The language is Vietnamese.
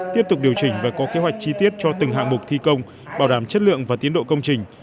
tiếp tục điều chỉnh và có kế hoạch chi tiết cho từng hạng mục thi công bảo đảm chất lượng và tiến độ công trình